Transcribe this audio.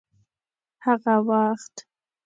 هغه وخت